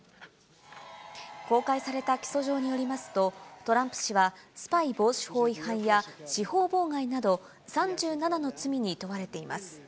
公開された起訴状によりますと、トランプ氏はスパイ防止法違反や、司法妨害など３７の罪に問われています。